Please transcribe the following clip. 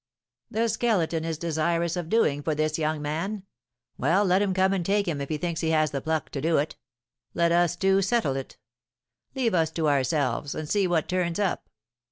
The Skeleton is desirous of doing for this young man; well, let him come and take him if he thinks he has the pluck to do it; let us two settle it; leave us to ourselves, and see what turns up.